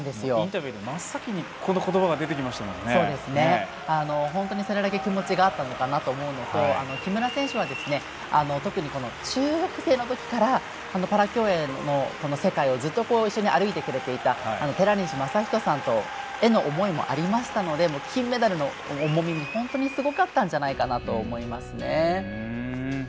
インタビューでも真っ先にこの言葉が本当にそれだけ気持ちがあったのかなと思うのと木村選手は特に中学生のときからパラ競泳の世界をずっと一緒に歩いてくれていた寺西真人さんへの思いもありましたので金メダルの重み、本当にすごかったんじゃないかと思います。